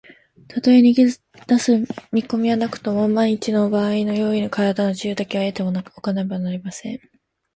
たとえ逃げだす見こみはなくとも、まんいちのばあいの用意に、からだの自由だけは得ておかねばなりません。